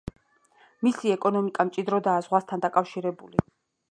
მისი ეკონომიკა მჭიდროდაა ზღვასთან დაკავშირებული.